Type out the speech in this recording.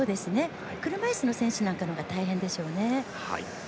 車いすの選手のほうが大変でしょうね。